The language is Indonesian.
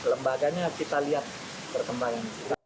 lembaganya kita lihat perkembangan